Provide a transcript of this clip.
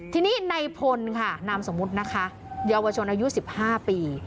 ทีนี้ในพลค่ะนามสมมุตินะคะเยาวชนอายุ๑๕ปี